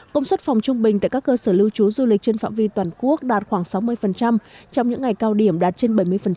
công suất phòng trung bình tại các cơ sở lưu trú du lịch trên phạm vi toàn quốc đạt khoảng sáu mươi trong những ngày cao điểm đạt trên bảy mươi